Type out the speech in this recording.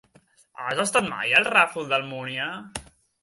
Has estat mai al Ràfol d'Almúnia?